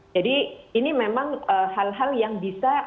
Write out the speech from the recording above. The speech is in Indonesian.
jadi ini memang hal hal yang bisa dilakukan